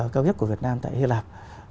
cao nhất của việt nam tại hy lạp